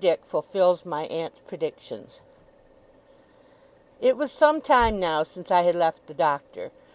DICK FULFILS MY AUNT'S PREDICTIONS It was some time now, since I had left the Doctor.